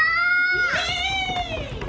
イエイ！